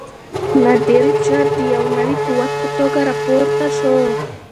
نادر افشار د یو نوي قوت په توګه راپورته شو.